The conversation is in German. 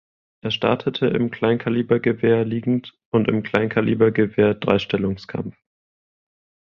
Er startete im Kleinkalibergewehr liegend und im Kleinkalibergewehr Dreistellungskampf.